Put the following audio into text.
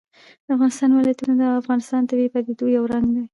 د افغانستان ولايتونه د افغانستان د طبیعي پدیدو یو رنګ دی.